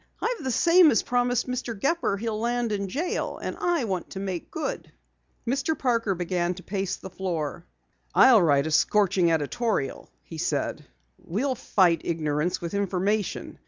I've the same as promised Mr. Gepper he'll land in jail, and I want to make good." Mr. Parker began to pace the floor. "I'll write a scorching editorial," he said. "We'll fight ignorance with information.